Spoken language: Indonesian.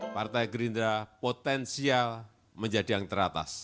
partai gerindra potensial menjadi yang teratas